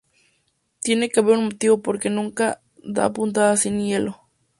Tiene que haber un motivo porque nunca da puntadas sin hilo